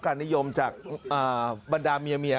การนอนไม่จำเป็นต้องมีอะไรกัน